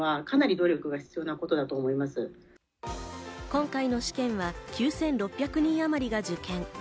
今回の試験は９６００人あまりが受験。